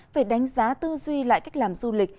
phải đánh giá tư duy lại cách làm du lịch